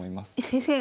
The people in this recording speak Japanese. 先生